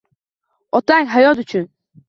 Otang hayot uchun